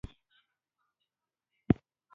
د څمڅې یاران.